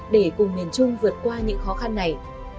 để cùng miền trung vượt qua những khó khăn này